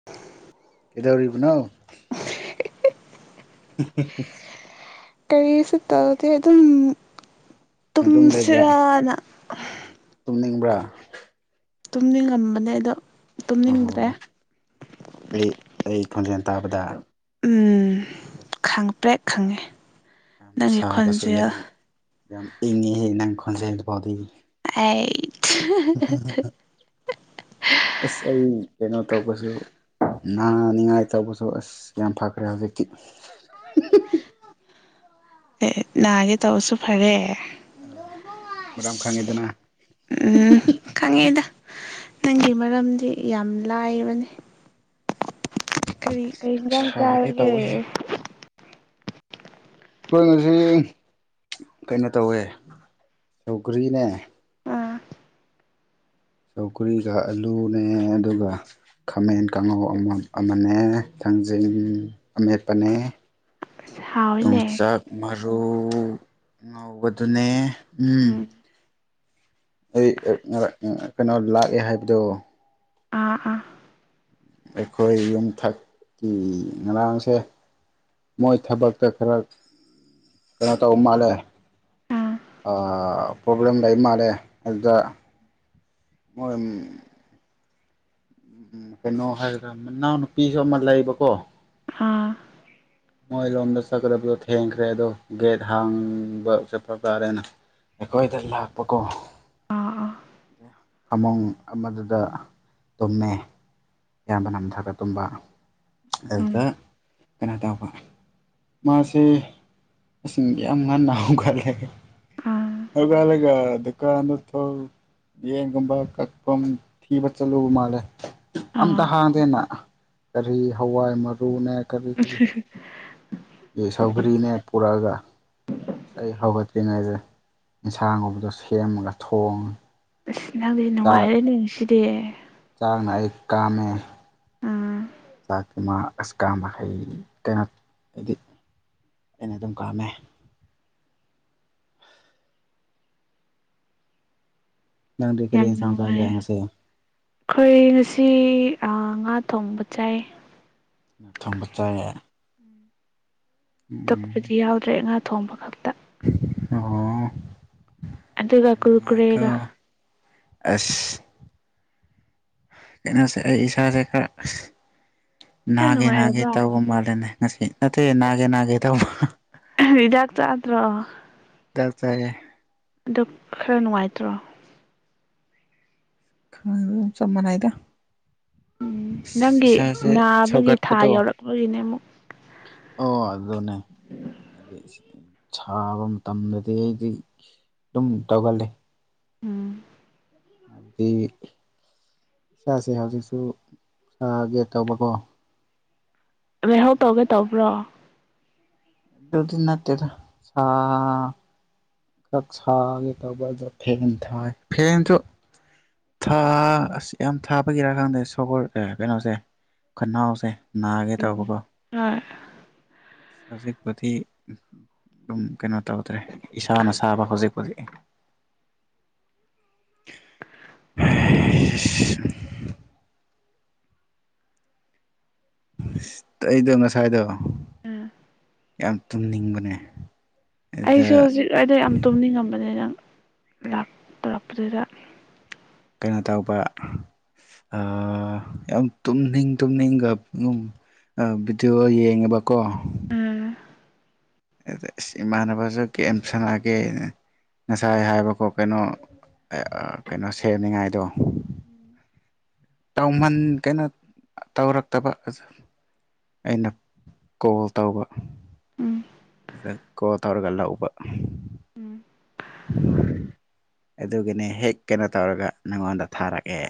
[unintelligible] ꯀꯩꯗꯧꯔꯤꯕꯅꯣ [unintelligible] ꯀꯔꯤꯁꯨ ꯇꯧꯗꯦ ꯑꯗꯨꯝ ꯑꯗꯨꯝ ꯂꯩꯕ꯭ꯔꯥ ꯇꯨꯝꯁꯤꯔꯥꯅ ꯇꯨꯝꯅꯤꯡꯕ꯭ꯔꯥ ꯇꯨꯝꯅꯤꯡꯉꯝꯕꯅꯦ ꯑꯗꯣ ꯇꯨꯝꯅꯤꯡꯗ꯭ꯔꯦ ꯑꯣ ꯑꯩ ꯑꯩ ꯈꯣꯟꯖꯦꯟ ꯇꯥꯕꯗ ꯎꯝ ꯑꯁ ꯈꯡꯄ꯭ꯔꯦꯛ ꯈꯪꯉꯦ ꯌꯥꯝ ꯅꯪꯒꯤ ꯁꯥꯕꯁꯨ ꯈꯣꯟꯖꯦꯜ ꯌꯥꯝ ꯌꯥꯝ ꯏꯪꯉꯤꯍꯦ ꯅꯪ ꯈꯣꯟꯖꯦꯜ ꯗꯨꯐꯥꯎꯗꯤ ꯑꯩꯏꯠ [unintelligible] ꯑꯁ ꯑꯩ ꯀꯩꯅꯣ ꯇꯧꯕꯁꯨ ꯅꯥꯅꯤꯡꯉꯥꯏ ꯇꯧꯕꯁꯨ ꯑꯁ ꯌꯥꯝ ꯐꯈ꯭ꯔꯦ ꯍꯧꯖꯤꯛꯇꯤ ꯑꯦ ꯅꯥꯒꯦ ꯇꯧꯔꯁꯨ ꯐꯔꯦ ꯃꯔꯝ ꯈꯪꯉꯤꯗꯅ [unintelligible] ꯎꯝ ꯈꯪꯉꯦꯑꯦꯗ ꯅꯪꯒꯤ ꯃꯔꯝꯗꯤ ꯌꯥꯝ ꯂꯥꯏꯕꯅꯤ ꯀꯔꯤ ꯀꯔꯤ ꯌꯥꯝ ꯍꯦꯟꯖꯥꯡ ꯁꯥꯒꯦ ꯆꯥꯔꯒꯦ ꯇꯧꯋꯦ ꯑꯩꯈꯣꯏ ꯑꯩꯈꯣꯏ ꯉꯁꯤ ꯀꯩꯅꯣ ꯇꯧꯋꯦ ꯁꯧꯒ꯭ꯔꯤꯅꯦ ꯑꯥ ꯁꯧꯒ꯭ꯔꯤꯒ ꯑꯂꯨꯅꯦ ꯑꯗꯨꯒ ꯈꯥꯃꯦꯟ ꯀꯥꯡꯉꯧ ꯑꯃ ꯑꯃꯅꯦ ꯊꯥꯡꯖꯤꯡ ꯑꯃꯦꯠꯄꯅꯦ ꯍꯥꯎꯋꯤꯅꯦ ꯌꯣꯡꯆꯥꯛ ꯃꯔꯨ ꯉꯧꯕꯗꯨꯅꯦ ꯎꯝ ꯑꯩ ꯑ ꯉ ꯉꯔꯥꯛ ꯀꯩꯅꯣ ꯂꯥꯛꯑꯦ ꯍꯥꯏꯕꯗꯣ ꯑꯥ ꯑꯥ ꯑꯩꯈꯣꯏ ꯌꯨꯝꯊꯛꯀꯤ ꯉꯔꯥꯡꯁꯦ ꯃꯣꯏ ꯊꯕꯛꯇ ꯈꯔ ꯀꯩꯅꯣ ꯇꯧꯕ ꯃꯥꯜꯂꯦ ꯑꯥ ꯑ ꯄ꯭ꯔꯣꯕ꯭ꯂꯦꯝ ꯂꯩ ꯃꯥꯜꯂꯦ ꯑꯗꯨꯗ ꯃꯣꯏ ꯎꯝ ꯎꯝ ꯀꯩꯅꯣ ꯍꯥꯏꯔꯒ ꯃꯅꯥꯎꯅꯨꯄꯤꯁꯨ ꯑꯃ ꯂꯩꯕꯀꯣ ꯑꯥ ꯃꯣꯏ ꯔꫭꯝꯗ ꯆꯠꯀꯗꯕꯗꯣ ꯊꯦꯡꯈ꯭ꯔꯦ ꯑꯗꯣ ꯒꯦꯠ ꯍꯥꯡꯕ ꯆꯠꯄ ꯇꯥꯔꯦꯅ ꯑꯩꯈꯣꯏꯗ ꯂꯥꯛꯄꯀꯣ ꯑꯥ ꯑꯥ ꯐꯃꯨꯡ ꯑꯃꯗꯨꯗ ꯇꯨꯝꯃꯦ ꯑꯌꯥꯝꯕ ꯅꯝꯊꯥꯒ ꯇꯨꯝꯕ ꯎꯝ ꯑꯗꯨꯗ [unintelligible] ꯀꯩꯅꯣ ꯇꯧꯕ ꯃꯥꯁꯦ ꯉꯁꯤꯟ ꯌꯥꯝ ꯉꯟꯅ ꯍꯧꯒꯠꯂꯦ ꯑꯥ ꯍꯧꯒꯠꯂꯒ ꯗꯛ__ ꯀꯥꯟꯗ ꯊꯣꯛ ꯌꯦꯟꯒꯨꯝꯕ ꯀꯛꯐꯝ ꯊꯤꯕ ꯆꯠꯂꯨꯕ ꯃꯥꯜꯂꯦ ꯑꯥ ꯑꯝꯇ ꯍꯥꯡꯗꯦꯅ ꯀꯔꯤ ꯍꯋꯥꯏ ꯃꯔꯨꯅꯦ ꯀꯔꯤ ꯀꯔꯤ [unintelligible] ꯁꯧꯒ꯭ꯔꯤꯅꯦ ꯄꯨꯔꯛꯑꯒ ꯑꯩ ꯍꯧꯒꯠꯇ꯭ꯔꯤꯉꯩꯗ ꯏꯟꯁꯥꯡꯒꯨꯝꯕꯗꯣ ꯁꯦꯝꯃꯒ ꯊꯣꯡꯉꯦ ꯑꯁ ꯅꯪꯗꯤ ꯅꯨꯡꯉꯥꯏꯔꯦꯅꯦ ꯉꯁꯤꯗꯤ ꯆꯥꯛꯅ ꯑꯩ ꯀꯥꯝꯃꯦ ꯑꯥ ꯆꯥꯛꯇꯤ ꯃꯥ ꯑꯁ ꯀꯥꯝꯕ ꯍꯩ ꯀꯩꯅꯣ ꯍꯥꯏꯗꯤ ꯑꯩꯅ ꯑꯗꯨꯝ ꯀꯥꯝꯃꯦ ꯅꯪꯗꯤ ꯀꯔꯤ ꯌꯥꯝ ꯏꯟꯁꯥꯡ ꯆꯥꯒꯦ ꯅꯨꯡꯉꯥꯏꯔꯦ ꯉꯁꯤ ꯑꯩꯈꯣꯏ ꯉꯁꯤ ꯑꯥ ꯉꯥ ꯊꯣꯡꯕ ꯆꯥꯏ ꯊꯣꯡꯕ ꯆꯥꯏꯌꯦ ꯎꯝ ꯇꯛꯄꯗꯤ ꯌꯥꯎꯗ꯭ꯔꯦ ꯉꯥ ꯊꯣꯡꯕ ꯈꯛꯇ ꯑꯣ꯫ ꯑꯗꯨꯒ ꯑꯁ ꯌꯥꯝ ꯅꯨꯡꯉꯥꯏꯀꯣ ꯀꯨꯔꯀꯨꯔꯦꯒ꯫ ꯑꯁ꯫ ꯀꯩꯅꯣꯁꯦ ꯑꯩ ꯏꯁꯥꯁꯦ ꯈꯔ ꯌꯥꯝ ꯅꯥꯒꯦ ꯅꯥꯒꯦ ꯅꯨꯡꯉꯥꯏꯔꯕ ꯇꯧꯕ ꯃꯥꯜꯂꯦꯅꯦ꯫ ꯉꯁꯤ ꯅꯠꯇꯦ ꯅꯥꯒꯦ ꯅꯥꯒꯦ ꯇꯧꯕ꯫ ꯍꯤꯗꯥꯛ ꯆꯥꯗ꯭ꯔꯣ꯫ ꯊꯥ ꯆꯥꯏꯌ‌ꯦ꯫ ꯑꯗꯨ ꯈꯔ ꯅꯨꯡꯉꯥꯏꯇ꯭ꯔꯣ꯫ ꯆꯞꯃꯅꯩꯗ꯫ ꯅꯪꯒꯤ ꯏꯁꯥꯁꯦ ꯅꯥꯕꯒꯤ ꯁꯧꯒꯠꯄ ꯊꯥ ꯗꫭ꯫ ꯌꯧꯔꯛꯄꯒꯤꯅꯦ ꯑꯃꯨꯛ ꯑꯣ ꯑꯗꯨꯅ‌ꯦ꯫ ꯁꯥꯕ ꯃꯇꯝꯗꯗꯤ ꯑꯩꯗꯤ ꯑꯗꯨꯝ ꯇꯧꯒꯜꯂ‌ꯦ꯫ ꯎꯝ꯫ ꯗꯤ ꯏꯁꯥꯁꯦ ꯍꯧꯖꯤꯛꯁꯨ ꯁꯥꯒꯦ ꯇꯧꯕꯀꯣ꯫ ꯂꯩꯍꯧ ꯇꯧꯒꯦ ꯇꯧꯕ꯭ꯔꯣ꯫ ꯗꯨꯗꯤ ꯅꯠꯇꯦꯗ ꯑꯥ꯫ ꯥ ꯁꯥꯒꯦ ꯇꯧꯕꯗ ꯐꯦꯟ ꯊꯥꯏ ꯐꯦꯟꯁꯨ꯫ ꯊꯥ ꯑꯁ ꯌꯥꯝ ꯊꯥꯕꯒꯤꯔꯥꯀꯥꯟꯗꯦ ꯁꯣꯕꯣꯔ ꯀꯩꯅꯣꯁꯦ ꯈꯅꯥꯎꯁꯦ꯫ ꯅꯥꯒꯦ ꯎꯝ ꯇꯧꯕꯀꯣ꯫ ꯍꯣꯏ ꯍꯧꯖꯤꯛꯄꯨꯗꯤ ꯑꯗꯨꯝ ꯀꯩꯅꯣ ꯇꯧꯗ꯭ꯔꯦ ꯏꯁꯥꯅ ꯁꯥꯥꯕ ꯍꯧꯖꯤꯛ꯫ ꯫ ꯑꯩꯗꯣ ꯉꯁꯥꯏꯗꯣ꯫ ꯎꯝ꯫ ꯌꯥꯝ ꯇꯨꯝꯅꯤꯡꯕꯅꯦ꯫ ꯑꯗ ꯑꯩꯁꯨ ꯍꯧꯖꯤꯛ ꯋꯥꯏꯗ ꯌꯥꯝ ꯇꯨꯝꯅꯤꯡꯉꯝꯕꯅ‌ꯦ ꯅꯪ ꯂꯥꯛꯇꯔꯛꯄꯗꯨꯗ꯫ ꯀꯩꯅꯣ ꯇꯧꯕ ꯑꯥ ꯌꯥꯝ ꯇꯨꯝꯅꯤꯡ ꯇꯨꯝꯅꯤꯡꯒ꯫ ꯕꯤꯗꯤꯑꯣ ꯌꯦꯡꯉꯦꯕꯀꯣ꯫ ꯎꯝ ꯏꯁ ꯏꯃꯥꯟꯅꯕꯁꯨ ꯒ‌ꯦꯝ ꯁꯥꯟꯅꯒꯦꯅ꯫ ꯉꯁꯥꯏ ꯍꯥꯏꯕꯀꯣ ꯀꯩꯅꯣ ꯑꯥ ꯀꯩꯅꯣ ꯁꯦꯝꯅꯤꯉꯥꯏꯗꯣ꯫ ꯫ ꯇꯧꯃꯟ ꯀꯩꯅꯣ ꯇꯧꯔꯛꯇꯕꯖ ꯑꯩꯅ ꯀꯣꯜ ꯇꯧꯕ ꯎꯝ ꯑꯗꯨꯗ ꯀꯣꯜ ꯇꯧꯔꯒ ꯂꯧꯕ ꯎ [unintelligible] ꯑꯗꯨꯒꯤꯅꯤ ꯍꯦꯛ ꯀꯩꯅꯣ ꯇꯧꯔꯒ ꯅꯪꯉꯣꯟꯗ ꯊꯥꯔꯛꯑꯦ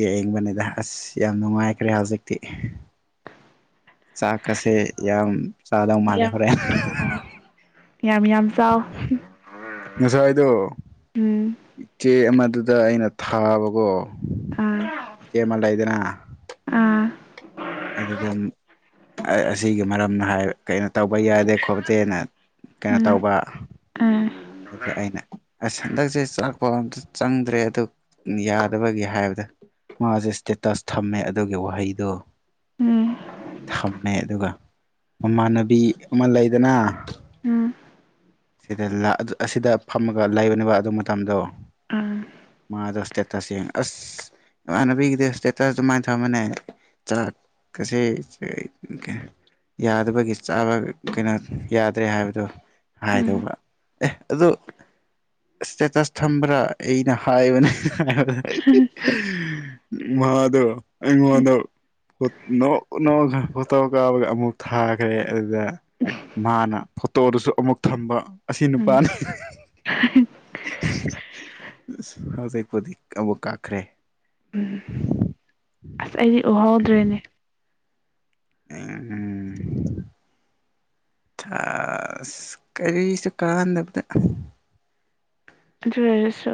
ꯌꯦꯡꯕꯅꯤꯗ ꯑꯁ ꯌꯥꯝ ꯅꯨꯡꯉꯥꯏꯈ꯭ꯔꯦ ꯍꯧꯖꯤꯛꯇꯤ ꯆꯥꯛꯀꯁꯦ ꯌꯥꯝ ꯆꯥꯗꯧ ꯃꯥꯜꯂꯦ ꯌꯥꯝ ꯍꯣꯔꯦꯟ ꯑ ꯑꯣ ꯌꯥꯝ ꯌꯥꯝ ꯆꯥꯎ ꯉꯁꯥꯏꯗꯣ ꯎꯝ ꯏꯆꯦ ꯑꯃꯗꯨꯗ ꯑꯩꯅ ꯊꯥꯕꯀꯣ ꯑꯥ ꯏꯆꯦꯃ ꯂꯩꯗꯅ꯫ ꯑꯥ ꯑꯗꯨꯗ ꯑꯁꯤꯒꯤ ꯃꯔꯝꯅ ꯍꯥꯏ ꯀꯩꯅꯣ ꯇꯧꯕ ꯌꯥꯗꯦ ꯈꯣꯠꯇꯦꯅ꯫ ꯀꯩꯌꯥ ꯎꯝ ꯇꯧꯕ꯫ ꯑ ꯎꯝ ꯑꯗꯨꯗ ꯑꯩꯅ ꯑꯁ ꯍꯟꯗꯛꯁꯦ ꯆꯥꯛꯄ ꯑꯝꯇ ꯆꯪꯗ꯭ꯔꯦ ꯑꯗꯨ꯫ ꯌꯥꯗꯕꯒꯤ ꯍꯥꯏꯕꯗ ꯃꯥꯁꯦ ꯏꯁꯇꯦꯇꯁ ꯊꯝꯃꯦ ꯑꯗꯨꯒꯤ ꯋꯥꯍꯩꯗꯣ꯫ ꯎꯝ ꯐꯝꯃꯦ ꯑꯗꯨꯒ ꯃꯃꯥꯟꯅꯕꯤ ꯑꯃ ꯂꯩꯗꯅ꯫ ꯎꯝ ꯁꯤꯗ ꯑꯁꯤꯗ ꯐꯝꯃꯒ ꯂꯩꯕꯅꯦꯕ ꯑꯗꯨ ꯃꯇꯝꯗꯣ꯫ ꯎꯝ꯫ ꯑꯗꯣ ꯏꯁꯇꯦꯇꯁ ꯌꯦꯡꯉ ꯑꯁ ꯏꯃꯥꯅꯕꯤꯒꯤꯗꯤ ꯏꯁꯇꯦꯇꯁ ꯑꯗꯨꯃꯥꯏꯅ ꯊꯝꯕꯅꯦ‌ ꯖꯠ꯫ ꯀꯁꯦ ꯫ ꯌꯥꯗꯕꯒꯤ ꯆꯥꯕ ꯀꯩꯅꯣ ꯌꯥꯗ꯭ꯔꯦ ꯍꯥꯏꯕꯗꯨ ꯎꯝ ꯍꯥꯏꯗꯧꯕ꯫ ꯑꯦ ꯑꯗꯨ ꯏꯁꯇꯦꯇꯁ ꯊꯝꯕ꯭ꯔꯥ ꯑꯩꯅ ꯍꯥꯏꯕꯅꯦ ꯍꯥꯏꯕꯗ ꯃꯥꯗꯣ ꯑꯩꯉꯣꯟꯗ ꯅꯣꯛ ꯅꯣꯛ ꯑꯒ ꯐꯣꯇꯣ ꯀꯥꯞꯕꯒ ꯑꯃꯨꯛ ꯊꯥꯈ꯭ꯔꯦ ꯑꯗꯨꯗ ꯃꯥꯅ ꯐꯣꯇꯣꯗꯨꯁꯨ ꯑꯃꯨꯛ ꯊꯝꯕ ꯑꯁꯤ ꯎꯝ ꯎꯝ ꯅꯨꯄꯥꯅꯤ [unintelligible] ꯍꯧꯖꯤꯛꯄꯨꯗꯤ ꯑꯃꯨꯛ ꯀꯛꯈ꯭ꯔꯦ ꯑꯁ ꯑꯩꯗꯤ ꯎꯍꯧꯗ꯭ꯔꯦꯅꯦ ꯎꯝ ꯎꯝ ꯊꯥꯁ ꯀꯔꯤꯁꯨ ꯀꯥꯟꯅꯗꯕꯗ ꯑꯗꯨꯑꯣꯏꯔꯁꯨ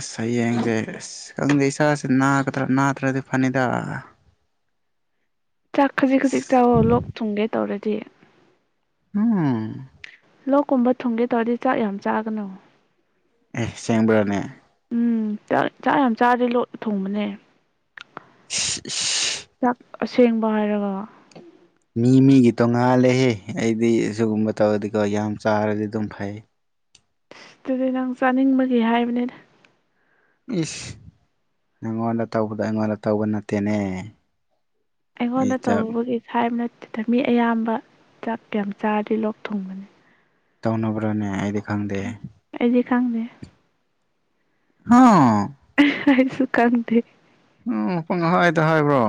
ꯑꯁ ꯍꯌꯦꯡꯁꯦ ꯑꯁ ꯈꯪꯗꯦ ꯏꯁꯥꯁꯦ ꯅꯥꯒꯗ꯭ꯔꯥ ꯅꯥꯗ꯭ꯔꯗꯤ ꯐꯅꯤꯗ ꯆꯥꯛ ꯈꯖꯤꯛ ꯈꯖꯤꯛ ꯆꯥꯎ ꯂꯣꯛ ꯊꯨꯡꯒꯦ ꯇꯧꯔꯗꯤ ꯎꯝ ꯂꯣꯛꯀꯨꯝꯕ ꯊꯨꯡꯒꯦ ꯇꯧꯔꯗꯤ ꯆꯥꯛ ꯌꯥꯝ ꯆꯥꯒꯅꯨ ꯑꯦ ꯁꯦꯡꯕ꯭ꯔꯅꯦ ꯎꯝ ꯆꯥꯛ ꯆꯥꯛ ꯌꯥꯝ ꯆꯥꯔꯗꯤ ꯂꯣꯛ ꯊꯨꯡꯕꯅꯦ ꯏꯁ ꯏꯁ ꯆꯥꯛ ꯑꯁꯦꯡꯕ ꯍꯥꯏꯔꯒ ꯃꯤ ꯃꯤꯒꯤ ꯇꯣꯉꯥꯜꯂꯦꯍꯦ ꯑꯩꯗꯤ ꯁꯤꯒꯨꯝꯕ ꯇꯧꯗꯤꯀꯣ ꯌꯥꯝ ꯆꯥꯔꯗꯤ ꯑꯗꯨꯝ ꯐꯩ ꯑꯗꯨꯗꯤ ꯅꯪ ꯆꯥꯅꯤꯡꯕꯒꯤ ꯍꯥꯏꯕꯅꯤꯗ ꯏꯁ ꯅꯪꯉꯣꯟꯗ ꯇꯧꯕꯗꯣ ꯑꯩꯉꯣꯟꯗ ꯇꯧꯕ ꯅꯠꯇꯦꯅꯦ ꯑꯩ ꯑꯩꯉꯣꯟꯗ ꯆꯥꯛ ꯇꯧꯕꯒꯤ ꯍꯥꯏꯕ ꯅꯠꯇꯦꯗ ꯃꯤ ꯑꯌꯥꯝꯕ ꯆꯥꯛ ꯀꯌꯥꯝ ꯆꯥꯔꯗꯤ ꯂꯣꯛ ꯊꯨꯡꯕꯅꯦ ꯇꯧꯅꯕ꯭ꯔꯥꯅꯦ ꯑꯩꯗꯤ ꯈꯪꯗꯦ ꯑꯩꯗꯤ ꯈꯪꯗꯦ ꯍ ꯍꯥꯏ ꯑꯩꯁꯨꯈꯪꯗꯦ ꯎꯝ ꯄꯨꯡ ꯍꯥꯏꯗ ꯍꯥꯏꯕ꯭ꯔꯣ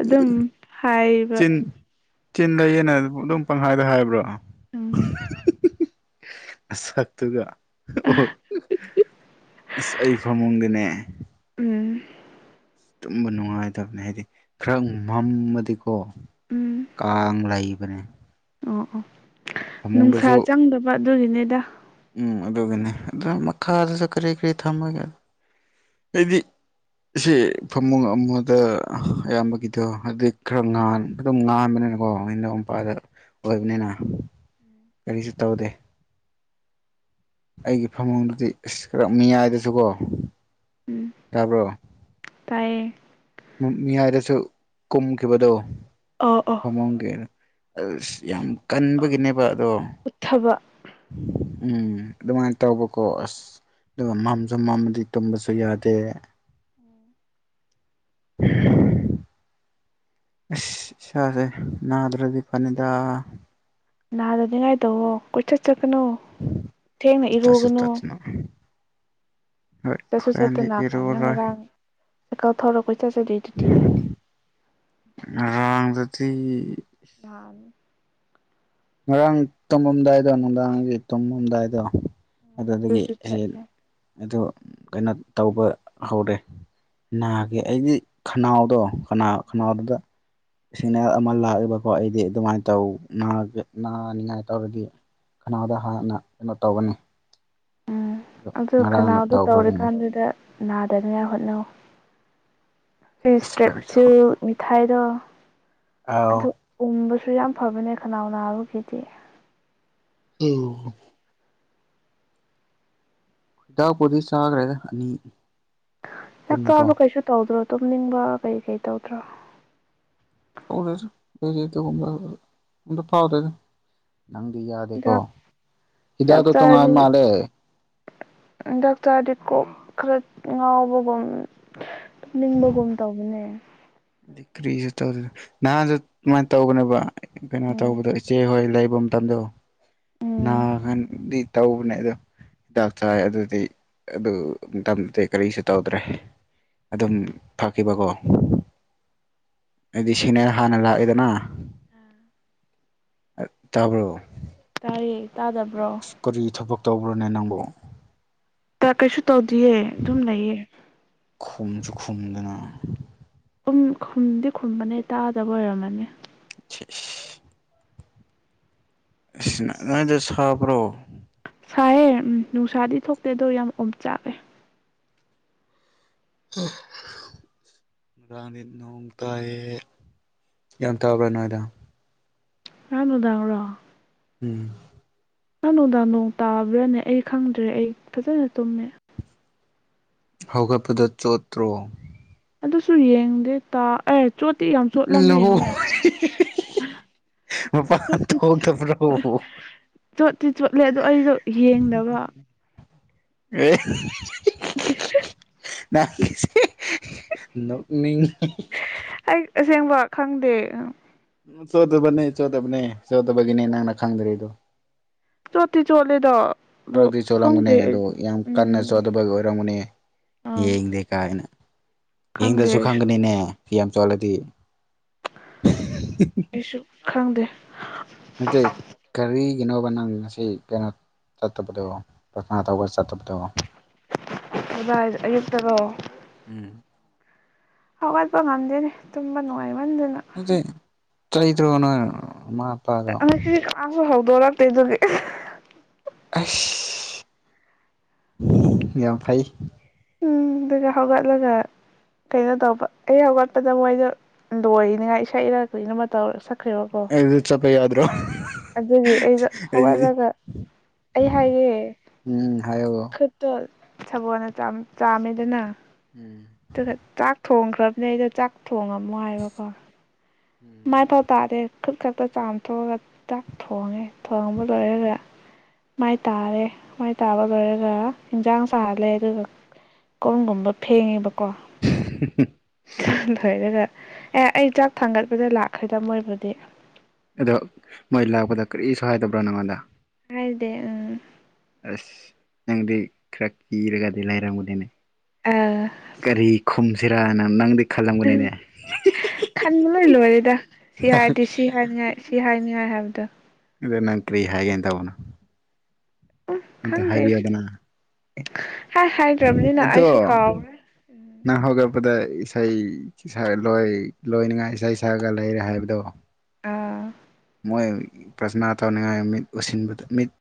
ꯑꯗꯨꯝ ꯍꯥꯏꯕ ꯆꯤꯟ ꯆꯤꯟ ꯂꯩꯌꯦꯅ ꯑꯗꯨꯝ ꯄꯪꯍꯥꯏꯗ ꯍꯥꯏꯕ꯭ꯔꯣ ꯎꯝ ꯑꯁꯛ ꯇꯨꯒ ꯑꯣ ꯑꯁ ꯑꯩ ꯐꯥꯃꯨꯡꯗꯤꯅꯦ ꯎꯝ ꯇꯨꯝꯕ ꯅꯨꯡꯉꯥꯏꯇꯕꯅꯦ ꯍꯥꯏꯗꯤ ꯈꯔ ꯉꯝꯃꯗꯤ ꯑꯣ ꯎꯝ ꯀꯥꯡ ꯂꯩꯕꯅꯦ ꯑꯣ ꯑꯣ ꯐꯃꯨꯡꯗꯁꯨ ꯅꯨꯡꯁꯥ ꯆꯪꯗꯕ ꯑꯗꯨꯒꯤꯅꯤꯗ ꯎꯝ ꯑꯗꯨꯒꯅꯦ ꯑꯗꯨꯝ ꯃꯈꯥꯗꯁꯨ ꯀꯔꯤ ꯀꯔꯤ ꯊꯝꯃꯒꯦ ꯑꯩꯗꯤ ꯑꯁꯤ ꯐꯃꯨꯡ ꯑꯃꯗ ꯑꯌꯥꯝꯕꯒꯤꯗꯣ ꯑꯗꯩ ꯈꯔ ꯉꯥꯟ ꯑꯗꯨꯝ ꯉꯥꯟꯕꯅꯤꯅꯀꯣ ꯍꯦꯟꯗꯧ ꯃꯄꯥꯗ ꯑꯣꯏꯕꯅꯤꯅ ꯀꯔꯤꯁꯨ ꯇꯧꯗꯦ ꯑꯩꯒꯤ ꯐꯃꯨꯡꯗꯨꯗꯤ ꯑꯁ ꯈꯔꯛ ꯃꯤꯌꯥꯏꯗꯁꯨꯀꯣ ꯎꯝ ꯌꯥꯕ꯭ꯔꯣ ꯇꯥꯏꯌꯦ ꯃꯤ ꯍꯥꯏꯗꯁꯨ ꯀꯨꯝꯈꯤꯕꯗꯣ ꯑꯣ ꯑꯣ ꯐꯝꯃꯝꯒꯦꯅ ꯑꯁ ꯌꯥꯝ ꯀꯟꯕꯒꯤꯅꯦꯕ ꯑꯗꯣ ꯎꯠꯊꯕ ꯎꯝ ꯑꯗꯨꯃꯥꯏꯅ ꯇꯧꯕꯀꯣ ꯑꯁ ꯑꯗꯨꯒ ꯃꯥꯝꯁꯨ ꯃꯥꯝꯃꯗꯤ ꯇꯨꯝꯕꯁꯨ ꯌꯥꯗꯦ ꯍꯝ ꯏꯁ ꯏꯁꯥꯁꯦ ꯅꯥꯗ꯭ꯔꯗꯤ ꯐꯅꯤꯗ ꯅꯥꯗꯅꯤꯡꯉꯥꯏ ꯇꯧꯋꯣ ꯀꯣꯏꯆꯠ ꯆꯠꯀꯅꯨ ꯊꯦꯡꯅ ꯇꯠꯁꯨ ꯏꯔꯨꯒꯅꯨ ꯇꯠꯇꯅ ꯍꯣꯏ ꯆꯠꯁꯨ ꯍꯣꯔꯦꯟꯗꯤ ꯆꯠꯇꯨꯅꯀ ꯅꯪ ꯏꯔꯨꯔꯣꯏ ꯉꯔꯥꯡ ꯆꯀꯜ ꯊꯧꯔ ꯀꯣꯏꯆꯠ ꯆꯠꯂꯤꯗꯨꯗꯤ ꯫ [unintelligible] ꯅꯍꯥꯟ ꯉꯔꯥꯡ ꯇꯨꯝꯃꯝꯗꯥꯏꯗ ꯅꯨꯡꯗꯥꯡꯒꯤ ꯇꯨꯝꯃꯝꯗꯥꯏꯗ ꯑꯗꯨꯗꯒꯤ ꯑꯗꯨꯁꯨ ꯑꯩ ꯆꯠꯂꯦ ꯑꯗꯨ ꯀꯩꯅꯣ ꯇꯧꯕ ꯍꯧꯔꯦ ꯅꯥꯒꯦ ꯑꯩꯗꯤ ꯈꯅꯥꯎꯗꯣ ꯅꯥ ꯈꯅꯥꯎꯗꯨꯗ ꯁꯤꯒꯅꯦꯜ ꯑꯃ ꯂꯥꯛꯏ ꯕꯀꯣ ꯑꯩꯗꯤ ꯑꯗꯨꯃꯥꯏꯅ ꯇꯧꯅ ꯅꯥꯅꯤꯡꯉꯥꯏ ꯇꯧꯔꯗꯤ ꯈꯅꯥꯎꯗ ꯍꯥꯟꯅ ꯀꯩꯅꯣ ꯇꯧꯒꯅꯤ ꯎꯝ ꯑꯗꯨ ꯉꯔꯥꯡꯅ ꯈꯅꯥꯎꯗꯨ ꯇꯧꯈ꯭ꯔꯕꯅꯦ ꯇꯧꯔꯤꯀꯥꯟꯗꯨꯗ ꯅꯥꯗꯅꯤꯉꯥꯏ ꯍꯣꯠꯅꯧ ꯑꯁ ꯀꯔꯤ [unintelligible] ꯑꯥꯎ ꯎꯕꯁꯨ ꯌꯥꯝ ꯐꯕꯅꯦ ꯈꯅꯥꯎ ꯅꯥꯕꯒꯤꯗꯤ [inaudible] ꯍꯤꯗꯥꯛꯄꯨꯗꯤ ꯆꯥꯈ꯭ꯔꯦꯗ ꯆꯥꯛ ꯄꯨꯟꯅꯀꯣ ꯀꯥꯕ ꯀꯩꯁꯨ ꯇꯧꯗ꯭ꯔꯣ ꯇꯨꯝꯅꯤꯡꯕ ꯀꯩ ꯀꯩ ꯇꯧꯗ꯭ꯔꯣ [inaudible] ꯅꯪꯗꯤ ꯌꯥꯗꯦꯀꯣ ꯍꯤꯗꯥꯛ ꯍꯤꯗꯥꯛꯗꯣ ꯇꯣꯉꯥꯟ ꯃꯥꯜꯂꯦ ꯗꯥꯛꯇꯔ ꯑꯩꯗꯤ ꯀꯣꯛ ꯈꯔ ꯉꯥꯎꯕꯒꯨꯝ ꯇꯨꯝꯅꯤꯡꯕꯒꯨꯝ ꯇꯧꯕꯅꯦ ꯀ꯭ꯔꯤꯁꯨ ꯇꯧ ꯅꯍꯥꯟꯁꯨ ꯑꯗꯨꯃꯥꯏꯅ ꯇꯧꯕꯅꯦꯕ ꯀꯩꯅꯣ ꯎꯝ ꯇꯧꯕꯗꯣ ꯏꯆꯦꯍꯣꯏ ꯂꯩꯕ ꯃꯇꯝꯗꯣ ꯅꯥ ꯎꯝ ꯍꯟ ꯕꯤ ꯇꯧꯕꯅꯦ ꯑꯗꯨ ꯍꯤꯗꯥꯛ ꯆꯥꯏ ꯑꯗꯨꯗꯤ ꯑꯗꯨ ꯃꯇꯝꯗꯨꯗꯤ ꯀꯔꯤꯁꯨ ꯇꯧꯗ꯭ꯔꯦ ꯑꯗꯨꯝ ꯐꯈꯤꯕꯀꯣ ꯍꯥꯏꯗꯤ ꯁꯤꯅꯦ ꯍꯥꯟꯅ ꯂꯥꯛꯏꯦꯗꯅ [inaudible] ꯇꯥꯕ꯭ꯔꯣ ꯇꯥꯢꯌꯦ ꯇꯥꯗꯕ꯭ꯔꯣ ꯑꯁ ꯀꯔꯤ ꯊꯕꯛ ꯇꯧꯕ꯭ꯔꯣꯅꯦ ꯅꯪꯕꯣ ꯊꯥ ꯀꯩꯁꯨ ꯇꯧꯗꯤꯌꯦ ꯑꯗꯨꯝ ꯂꯩꯌꯦ ꯈꯨꯝꯁꯨ ꯈꯨꯝꯗꯅ ꯨꯈꯨꯝ ꯈꯨꯝꯗꯤ ꯈꯨꯝꯕꯅꯦ ꯇꯥꯗꯕ ꯑꯣꯏꯔꯝꯃꯅꯤ ꯁꯤ ꯏꯁ ꯏꯁ ꯅꯣꯏ ꯅꯣꯏꯗ ꯁꯥꯕ꯭ꯔꯣ ꯁꯥꯏꯌꯦ ꯎꯝ ꯅꯨꯡꯁꯥꯗꯤ ꯊꯣꯛꯇꯦ ꯑꯗꯣ ꯌꯥꯝ ꯑꯣꯝꯆꯥꯛꯅꯩ [inaudible] ꯉꯥꯔꯥꯡꯗꯤ ꯅꯣꯡ ꯇꯥꯏꯌꯦꯌꯦ ꯒꯌꯥꯟ ꯇꯕꯔꯥ ꯑꯩꯅ ꯍꯥꯏꯗꯣ ꯉꯔꯥꯡ ꯅꯨꯡꯗꯥꯡꯔꯣ ꯎꯝ ꯉꯥꯡ ꯅꯨꯡꯗꯥꯡ ꯅꯣꯡ ꯇꯥꯕ꯭ꯔꯥꯅꯦ ꯑꯩ ꯈꯪꯗ꯭ꯔꯦ ꯑꯩ ꯐꯖꯅ ꯇꯨꯝꯃꯦ ꯍꯧꯒꯠꯄꯗ ꯆꯣꯠꯇ꯭ꯔꯣ ꯑꯗꯨꯁꯨ ꯌꯦꯡꯗꯦ ꯇꯥ ꯑꯦ ꯆꯣꯠꯇꯤ ꯌꯥꯝ ꯆꯣꯠꯂꯝꯃꯦ ꯂꯧ ꯍꯣꯏ ꯃꯄꯥꯟ ꯆꯣꯠꯇꯤ ꯆꯣꯠ ꯊꯣꯛꯇꯕ꯭ꯔꯣ ꯆꯣꯠꯇꯤ ꯆꯣꯠꯂꯦ ꯑꯗꯣ ꯑꯩꯗꯣ ꯌꯦꯡꯗꯕ ꯑꯦ [inaudible] [inaudible] ꯑꯩ ꯑꯁꯦꯡꯕ ꯈꯪꯗꯦ ꯎ ꯆꯣꯊꯕꯅꯦ ꯆꯣꯊꯕꯅꯦ ꯆꯣꯊꯕꯒꯤꯅꯦ ꯅꯪꯅ ꯈꯪꯗ꯭ꯔꯔꯤ ꯗꯨ ꯆꯣꯠꯇꯤ ꯆꯣꯠꯂꯦꯗ ꯈꯔꯗꯤ ꯆꯣꯠꯂꯝꯒꯅꯤ ꯑꯗꯨ ꯌꯥꯝ ꯀꯟꯅ ꯎꯝ ꯆꯣꯠꯊꯕꯒꯤ ꯑꯣꯏꯔꯝꯒꯅꯤ ꯑꯥ ꯌꯦꯡꯗꯦ ꯀꯥꯏꯅ ꯈꯪꯗꯦ ꯏꯍꯤꯡꯗꯁꯨ ꯑꯩꯁꯨ ꯈꯪꯒꯅꯤꯅꯦ ꯐꯤ ꯌꯥꯝ ꯆꯣꯠꯂꯗꯤ ꯑꯩꯁꯨ ꯈꯪꯗꯦ ꯅꯠꯇꯦ ꯀꯔꯤꯒꯤꯅꯣꯕ ꯅꯪ ꯉꯁꯤ ꯀꯩꯅꯣ ꯆꯠꯇꯕꯗꯣ ꯉꯥ ꯇꯧꯕ ꯆꯠꯇꯕꯗꯣ ꯀꯗꯥꯏꯗ ꯑꯌꯨꯛꯇꯔꯣ ꯎꯝ ꯍꯧꯒꯠꯄ ꯉꯝꯗꯦꯅꯦ ꯇꯨꯝꯕ ꯅꯨꯡꯉꯥꯏꯃꯟꯗꯅ ꯑꯗꯨꯗꯤ ꯆꯩꯗ꯭ꯔꯣ ꯅꯣꯏ ꯃꯥ ꯉꯁꯤꯗꯤ ꯀꯅꯥꯁꯨ ꯍꯧꯗꯣꯔꯛꯇꯦ ꯑꯗꯨꯒꯤ ꯑꯩꯁ ꯌꯥꯝ ꯐꯩ ꯎꯝ ꯑꯗꯨꯒ ꯍꯧꯒꯠꯂꯒ ꯀꯩꯅꯣ ꯇꯧꯕ ꯑꯩ ꯍꯧꯒꯠꯄꯗ ꯃꯣꯏꯗꯣ ꯂꯣꯏꯅꯤꯉꯥꯏ ꯏꯁꯩꯔ ꯀꯩꯅꯣꯃ ꯇꯧꯔ ꯁꯛ ꯑꯩꯗꯣ ꯆꯠꯄ ꯌꯥꯗ꯭ꯔꯣ ꯑꯗꯨꯒꯤ ꯑꯩꯗꯣ ꯑꯗꯨꯗꯤ ꯍꯧꯒꯠꯂꯒ ꯑꯩ ꯍꯥꯏꯌꯦ ꯎꯝ ꯍꯥꯏꯌꯣ ꯈꯨꯠꯇꯣ ꯁꯥꯕꯣꯜꯅ ꯆꯥꯝ ꯆꯥꯝꯃꯦꯗꯅ ꯎꯝ ꯑꯗꯨꯒ ꯆꯥꯛ ꯊꯣꯡꯈ꯭ꯔꯕꯅꯦ ꯑꯩꯗꯣ ꯆꯥꯛ ꯊꯣꯡꯉꯝꯃꯣ ꯍꯥꯏꯕꯀꯣ [inaudible] ꯃꯥꯏꯐꯥꯎ ꯇꯥꯗꯦ ꯈꯨꯠ ꯈꯛꯇ ꯆꯥꯝꯊꯣꯛꯑꯒ ꯆꯥꯛ ꯊꯣꯡꯉꯦ ꯊꯣꯡꯕ ꯂꯣꯏꯔꯒ ꯃꯥꯏ ꯇꯥꯔꯦ ꯃꯥꯏ ꯇꯥꯕ ꯂꯣꯏꯔꯒ ꯏꯟꯖꯥꯡ ꯁꯥꯍꯜꯂꯦ ꯑꯗꯨꯒ ꯀꯣꯟꯒꯨꯝꯕ ꯐꯦꯡꯉꯦꯕꯀꯣ [unintelligible] ꯂꯣꯏꯔꯒ ꯑꯦ ꯑꯩ ꯆꯥꯛ ꯊꯥꯡꯒꯠꯄꯗ ꯂꯥꯛꯈ꯭ꯔꯦꯗ ꯃꯣꯏꯕꯨꯗꯤ ꯑꯗꯣ ꯃꯣꯏ ꯂꯥꯛꯄꯗ ꯀꯔꯤꯁꯨ ꯍꯥꯏꯗꯕ꯭ꯔ ꯅꯪꯉꯣꯟꯗ ꯍꯥꯏꯗꯦ ꯑ ꯑꯁ ꯅꯪꯗꯤ ꯈꯔ ꯀꯤꯔꯒꯗꯤ ꯂꯥꯏꯔꯝꯒꯅꯤꯅꯦ ꯑ ꯀꯔꯤ ꯈꯨꯝꯁꯤꯔꯥ ꯅꯪ ꯅꯪꯗꯤ ꯈꯜꯂꯝꯒꯅꯤꯅꯦ ꯈꯟꯕ ꯂꯣꯏ ꯂꯣꯏꯔꯦꯗ ꯁꯤ ꯍꯥꯏꯔꯗꯤ ꯁꯤ ꯍꯥꯏꯅꯤꯉꯥꯏ ꯁꯤ ꯍꯥꯏꯅꯤꯉꯥꯏ ꯍꯥꯏꯕꯗꯣ ꯑꯗꯨ ꯅꯪ ꯀ꯭ꯔꯤ ꯍꯥꯏꯦꯒꯦ ꯇꯧꯕꯅ ꯑꯝꯇ ꯈꯪꯗꯦ ꯑꯩꯁꯨ ꯍꯥꯏꯕꯤꯌꯗꯅ ꯍꯥꯏ ꯍꯥꯏꯗ꯭ꯔꯕꯅꯤꯅ ꯑꯩꯁꯨ ꯑꯗꯣ ꯀꯥꯎꯔꯦ ꯅꯪ ꯍꯧꯒꯠꯄꯗ ꯏꯁꯩ ꯂꯣꯏ ꯂꯣꯏꯅꯤꯡꯉꯥꯏ ꯏꯁꯩ ꯁꯛꯒ ꯂꯩꯔꯦ ꯍꯥꯏꯕꯗꯣ ꯑꯥ ꯃꯣꯏ ꯄ꯭ꯔꯖꯅꯥ ꯇꯧꯅꯤꯡꯉꯥꯏ ꯃꯤꯠ ꯎꯁꯤꯟꯕꯗ ꯃꯤꯠ